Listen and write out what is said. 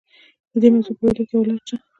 د دې موضوع په پوهېدو کې یوه لاره شته.